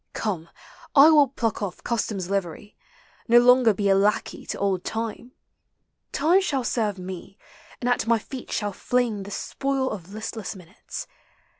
Come, I will pluck olf custom's livery, Nor longer be a lackey to old Time, Time shall serve me, and at my feet shall fling The spoil of listless minutes.